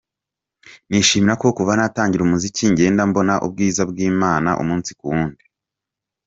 Nishimira ko kuva natangira umuziki ngenda mbona ubwiza bw’Imana umunsi ku wundi.